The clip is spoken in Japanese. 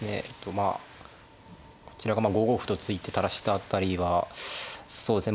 まあこちらが５五歩と突いて垂らした辺りはそうですね